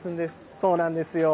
そうなんですよ。